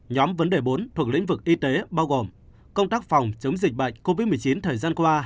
nhóm vấn đề bốn thuộc lĩnh vực y tế bao gồm công tác phòng chống dịch bệnh covid một mươi chín thời gian qua